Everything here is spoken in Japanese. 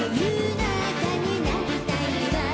仲になりたいわ」